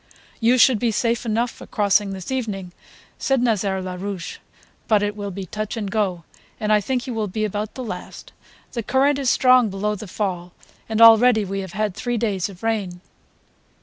"You should be safe enough for crossing this evening," said Nazaire Larouche, "but it will be touch and go, and I think you will be about the last. The current is strong below the fall and already we have had three days of rain.'"